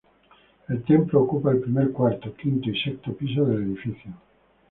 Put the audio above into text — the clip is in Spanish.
El templo ocupa el primer, cuarto, quinto y sexto piso del edificio.